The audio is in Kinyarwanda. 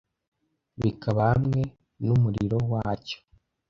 Bikaba hamwe numuriro wacyo